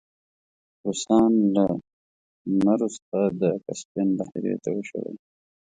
روسان له مرو څخه د کسپین بحیرې ته وشړی.